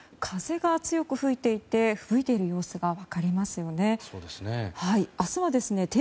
風が強く吹いていてふぶいている様子がわかりますよね。